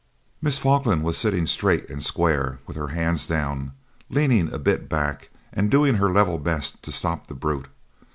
Miss Falkland was sitting straight and square, with her hands down, leaning a bit back, and doing her level best to stop the brute.